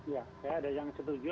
ya saya ada yang setuju